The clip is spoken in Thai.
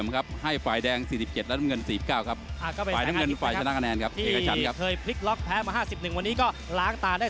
รับตัว